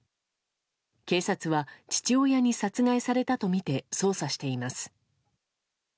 警察は父親に殺害されたとみて捜査しています。